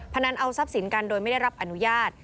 นันเอาทรัพย์สินกันโดยไม่ได้รับอนุญาต